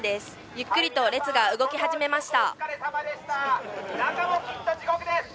ゆっくりと列が動き始めました。